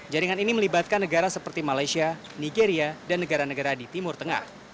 jaringan ini melibatkan negara seperti malaysia nigeria dan negara negara di timur tengah